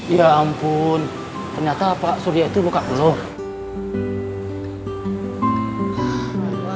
ya ampun ternyata pak surya itu buka belum